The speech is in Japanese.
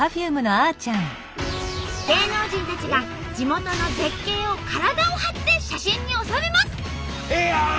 芸能人たちが地元の絶景を体を張って写真に収めます。